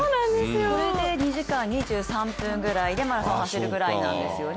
これで２時間２３分ぐらいでマラソンを走るぐらいなんですよね。